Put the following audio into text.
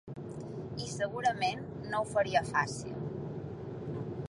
I segurament no ho faria fàcil.